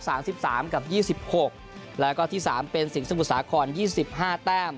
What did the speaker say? สามสิบสามกับยี่สิบหกแล้วก็ที่สามเป็นสิงสมุทรสาครยี่สิบห้าแต้ม